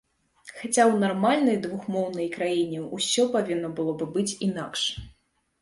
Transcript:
Хаця ў нармальнай двухмоўнай краіне ўсё павінна было б быць інакш.